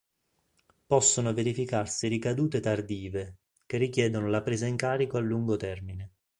Possono verificarsi ricadute tardive, che richiedono la presa in carico a lungo termine.